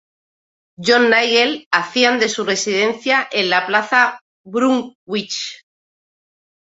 John Knightley hacían de su residencia en la Plaza Brunswick.